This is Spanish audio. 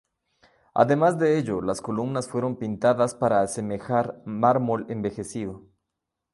Además de ello, las columnas fueron pintadas para asemejar mármol envejecido.